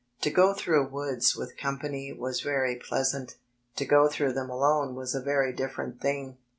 To go through woods with company was very pleasant; to go through dtem alone was a very different thing.